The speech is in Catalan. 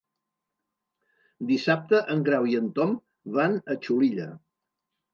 Dissabte en Grau i en Tom van a Xulilla.